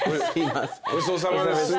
ごちそうさまです。